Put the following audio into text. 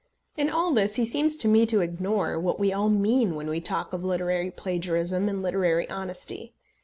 In all this he seems to me to ignore what we all mean when we talk of literary plagiarism and literary honesty.